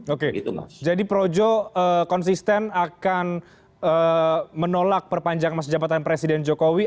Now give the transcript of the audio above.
oke jadi projo konsisten akan menolak perpanjang masa jabatan presiden jokowi